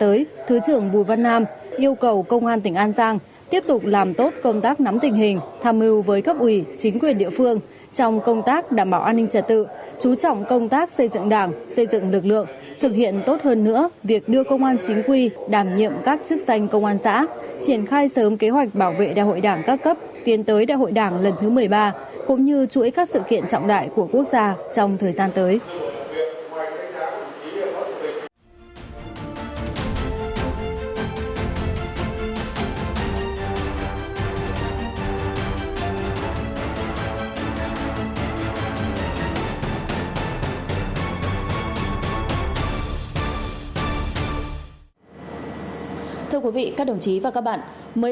để tạo sự chuyển biến mạnh mẽ trong công tác nắm tình hình tham mưu với cấp ủy chính quyền địa phương trong công tác đảm bảo an ninh trả tự chú trọng công tác xây dựng đảng xây dựng lực lượng thực hiện tốt hơn nữa việc đưa công an chính quy đảm nhiệm các chức danh công an xã triển khai sớm kế hoạch bảo vệ đại hội đảng các cấp tiến tới đại hội đảng lần thứ một mươi ba cũng như chuỗi các sự kiện trọng đại của quốc gia trong thời gian tới